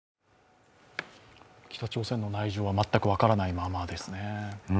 北朝鮮の内情は全く分からないままですね。